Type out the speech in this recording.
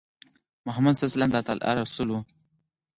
محمد ص د الله تعالی رسول دی.